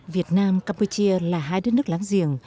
việt nam campuchia là hai đất nước láng giềng